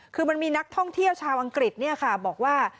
คือมันมีนักท่องเที่ยวชาวอังกฤษบอกว่า